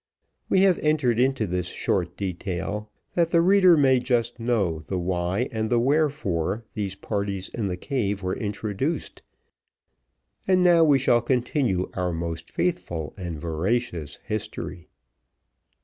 We have entered into this short detail, that the reader may just know the why and the wherefore these parties in the cave were introduced, and now we shall continue our most faithful and veracious history.